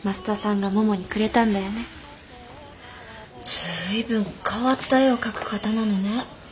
随分変わった絵を描く方なのね。